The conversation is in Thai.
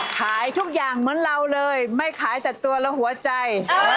ขายทุกอย่างเหมือนเราเลยไม่ขายแต่ตัวและหัวใจ